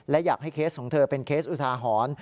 และอยากให้เคสของเธอเป็นเคสอุทาหรณ์